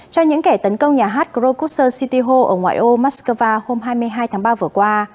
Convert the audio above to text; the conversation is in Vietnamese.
cho những kẻ tấn công nhà hát krokusar city hall ở ngoại ô moskova hôm hai mươi hai tháng ba vừa qua